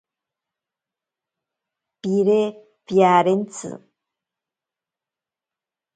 Pire piarentsi.